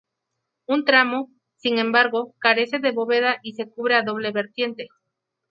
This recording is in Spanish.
Un tramo, sin embargo, carece de bóveda y se cubre a doble vertiente.